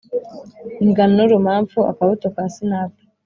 Ingano n urumamfu Akabuto ka sinapi